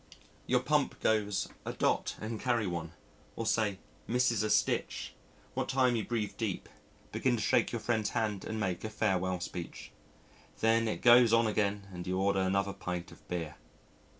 Your pump goes a "dot and carry one," or say "misses a stitch," what time you breathe deep, begin to shake your friend's hand and make a farewell speech. Then it goes on again and you order another pint of beer.